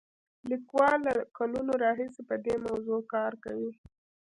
لیکوالان له کلونو راهیسې په دې موضوع کار کوي.